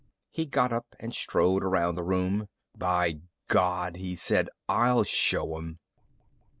He got up and strode around the room. "By God," he said, "I'll show 'em!"